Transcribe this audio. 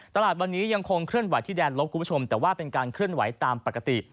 ตลาดวันนี้ยังคงเคลื่อนไหวที่แดนลบคุณผู้ชมแต่ว่าเป็นการเคลื่อนไหวตามปกติ